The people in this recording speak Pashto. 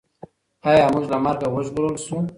ایا موږ له مرګه وژغورل شوو؟